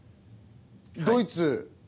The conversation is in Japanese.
ドイツ